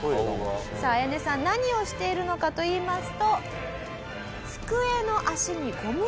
さあアヤネさん何をしているのかといいますと。